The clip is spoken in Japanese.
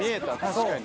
確かに。